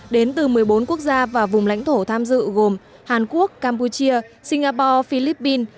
đến từ một mươi bốn quốc gia và vùng lãnh thổ tham dự gồm hàn quốc campuchia singapore philippines